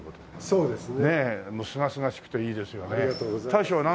そうですね。